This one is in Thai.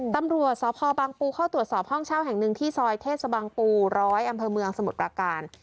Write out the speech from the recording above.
ตำรวจสพบางปูเข้าตรวจสอบห้องเช่าแห่งหนึ่งที่ซอยเทศบังปู๑๐๐อำเภอเมืองสมุทรประการ